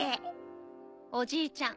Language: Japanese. おじいちゃん